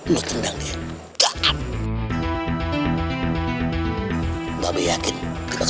lo tendang dia